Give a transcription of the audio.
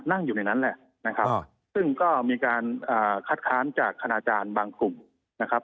นั่งอยู่ในนั้นแหละนะครับซึ่งก็มีการคัดค้านจากคณาจารย์บางกลุ่มนะครับ